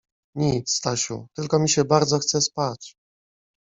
— Nic, Stasiu, tylko mi się bardzo chce spać.